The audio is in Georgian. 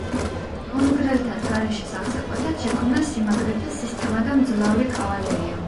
უნგრელთა თარეშის აღსაკვეთად შექმნა სიმაგრეთა სისტემა და მძლავრი კავალერია.